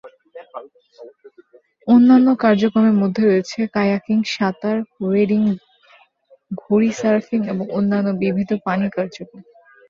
অন্যান্য কার্যক্রমের মধ্যে রয়েছে কায়াকিং, সাঁতার, ওয়েডিং, ঘুড়ি সার্ফিং এবং অন্যান্য বিবিধ পানি কার্যক্রম।